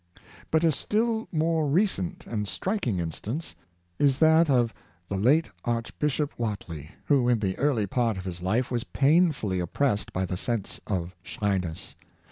But a still more recent and striking instance is that of the late Archbishop Whately, who, in the early part of his life, was painfully oppressed by the sense of shy ness.